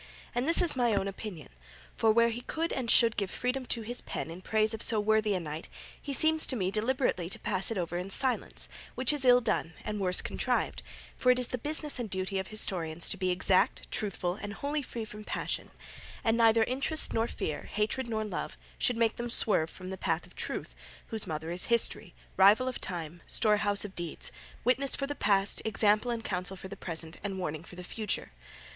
And this is my own opinion; for, where he could and should give freedom to his pen in praise of so worthy a knight, he seems to me deliberately to pass it over in silence; which is ill done and worse contrived, for it is the business and duty of historians to be exact, truthful, and wholly free from passion, and neither interest nor fear, hatred nor love, should make them swerve from the path of truth, whose mother is history, rival of time, storehouse of deeds, witness for the past, example and counsel for the present, and warning for the future.